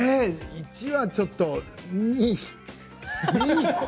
１はちょっと２？